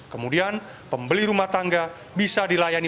kemudian pembeli rumah tangga bisa dilayani